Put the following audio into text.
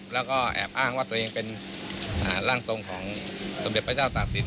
แล้วก็แอบอ้างว่าตัวเองเป็นร่างทรงของสมเด็จพระเจ้าตากศิล